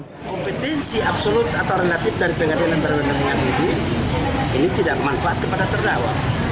kompetensi absolut atau relatif dari pengadilan berlengar lengar ini tidak manfaat kepada terdakwa